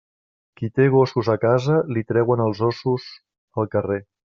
Qui té gossos a casa, li treuen els ossos al carrer.